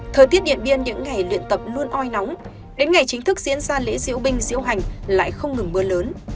thời tiết điện biên những ngày luyện tập luôn oi nóng đến ngày chính thức diễn ra lễ diễu binh diễu hành lại không ngừng mưa lớn